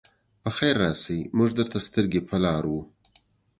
پخير راشئ! موږ درته سترګې په لار وو.